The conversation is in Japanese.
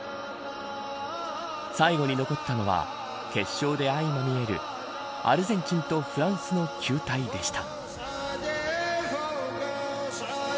最後に残ったのは決勝で相まみえるアルゼンチンとフランスの球体でした。